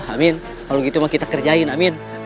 amin kalau gitu mah kita kerjain amin